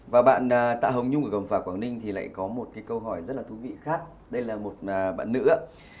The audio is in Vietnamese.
và bạn tạ hồng nhung ở gầm phả quảng ninh thì lại có một cái câu hỏi rất là thú vị khác đây là một bạn nữa